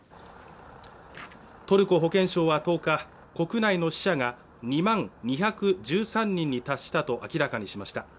トルコ保健省は１０日国内の死者が２万２１３人に達したと明らかにしました